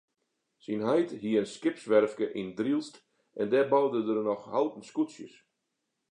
Syn heit hie in skipswerfke yn Drylts en dêr boude er noch houten skûtsjes.